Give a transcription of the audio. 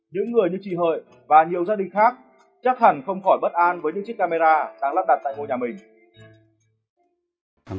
những người như chị hợi và nhiều gia đình khác chắc hẳn không khỏi bất an với những chiếc camera đang lắp đặt tại ngôi nhà mình